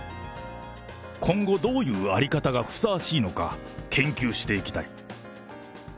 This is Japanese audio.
今後どういう在り方がふさわしいのか、研究していきたい。